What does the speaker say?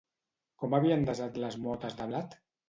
Com havien desat les motes de blat?